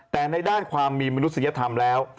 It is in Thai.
แต่ในด้านความมีมนุษยธรรมแล้ว